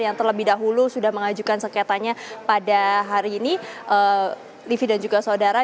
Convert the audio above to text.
yang terlebih dahulu sudah mengajukan sengketanya pada hari ini livi dan juga saudara